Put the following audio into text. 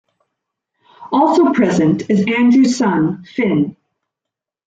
Also present is Andrews' son, Finn.